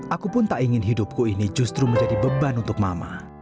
aku pun tak ingin hidupku ini justru menjadi beban untuk mama